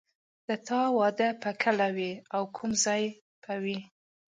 د تا واده به کله وي او کوم ځای به وي